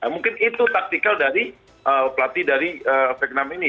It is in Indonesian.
mungkin itu taktikal dari pelatih dari vietnam ini